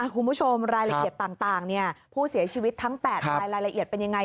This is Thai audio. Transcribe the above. คุณผู้ชมรายละเอียดต่างผู้เสียชีวิตทั้ง๘รายรายละเอียดเป็นยังไง